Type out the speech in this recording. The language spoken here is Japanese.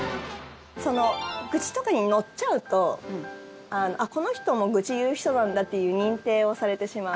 愚痴とかに乗っちゃうとこの人も愚痴言う人なんだという認定をされてしまう。